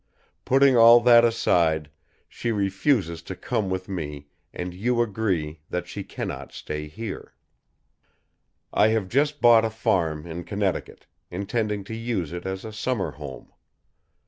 Putting all that aside, she refuses to come with me and you agree that she cannot stay here. "I have just bought a farm in Connecticut, intending to use it as a summer home.